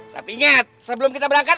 tapi ingat sebelum kita berangkat